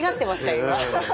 今。